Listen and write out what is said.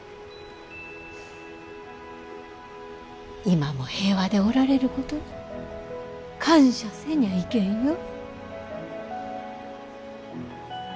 今も平和でおられることに感謝せにゃいけんよ。